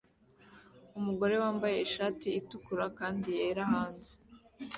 Umugore wambaye ishati itukura kandi yera hanze